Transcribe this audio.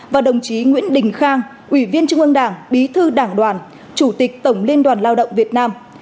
và đồng chí nguyễn đình khang ủy viên trung ương đảng bí thư đảng đoàn chủ tịch tổng liên đoàn lao động việt nam